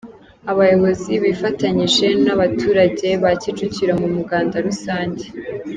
Abayobozi bifatanyije n’abaturage ba Kicukiro mu muganda rusange